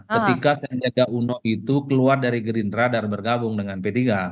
ketika sandiaga uno itu keluar dari gerindra dan bergabung dengan p tiga